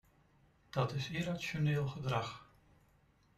Dat is irrationeel gedrag.